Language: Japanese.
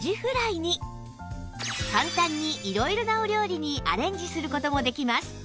簡単に色々なお料理にアレンジする事もできます